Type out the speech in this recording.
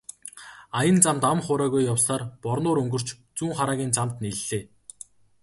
Аян замд ам хуурайгүй явсаар Борнуур өнгөрч Зүүнхараагийн замд нийллээ.